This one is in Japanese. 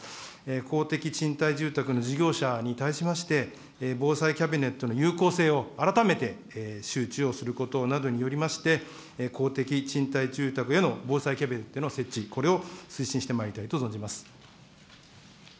公的賃貸住宅の事業者に対しまして、防災キャビネットの有効性を改めて周知をすることなどによりまして、公的賃貸住宅への防災キャビネットの設置、これを推進してまいりたいと存じます。